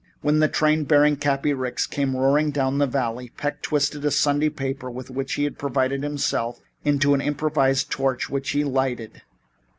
When the train bearing Cappy Ricks came roaring down the valley, Peck twisted a Sunday paper with which he had provided himself, into an improvised torch, which he lighted.